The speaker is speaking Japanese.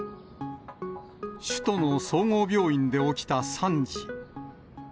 首都の総合病院で起きた惨事。